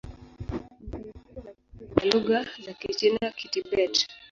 Ni tawi kubwa la kundi la lugha za Kichina-Kitibet.